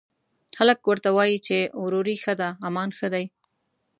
خلک ورته وايي، چې وروري ښه ده، امان ښه دی